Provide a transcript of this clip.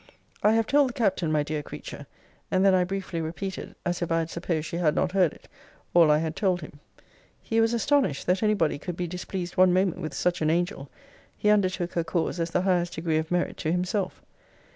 I have told the Captain, my dear creature and then I briefly repeated (as if I had supposed she had not heard it) all I had told him. He was astonished, that any body could be displeased one moment with such an angel. He undertook her cause as the highest degree of merit to himself.